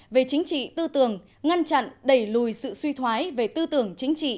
về chính trị tư tưởng ngăn chặn đẩy lùi sự suy thoái về tư tưởng chính trị